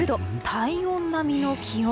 体温並みの気温。